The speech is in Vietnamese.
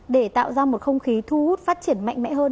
để tạo ra một không khí thu hút phát triển mạnh mẽ hơn